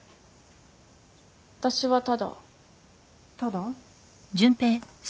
私はただただ？